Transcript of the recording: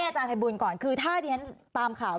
ให้อาจารย์ภัยบุญก่อนคือถ้าเดี๋ยวนั้นตามข่าว